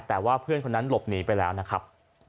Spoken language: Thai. แต่ว่าเพื่อนคนนั้นหลบหนีไปแล้วนะครับ